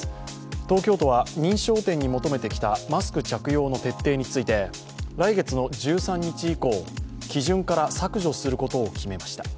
東京都は認証店に求めてきたマスク着用の徹底について来月の１３日以降基準から削除することを決めました。